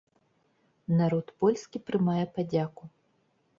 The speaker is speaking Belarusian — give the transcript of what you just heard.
Народ польскі прымае падзяку.